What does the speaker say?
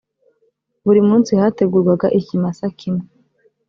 buri munsi hategurwaga ikimasa kimwe